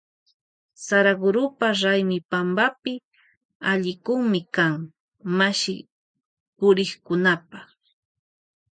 Saragurupa raymipampa allikumi kan mashipurikkunapa.